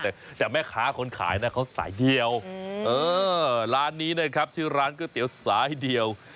เก้าดังนั้นขายนะของสายเดียวเออร้านนี้นะครับชื่อร้านก๋วยเตี๋ยวสีนั้นสายเดียว